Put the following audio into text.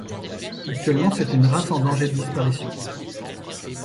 Actuellement, c'est une race en danger de disparition.